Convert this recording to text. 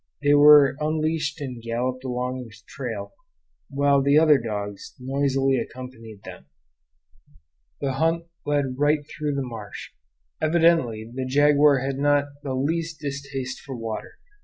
They were unleashed and galloped along the trail, while the other dogs noisily accompanied them. The hunt led right through the marsh. Evidently the jaguar had not the least distaste for water.